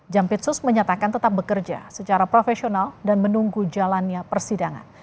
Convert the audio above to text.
jampitsus menyatakan tetap bekerja secara profesional dan menunggu jalannya persidangan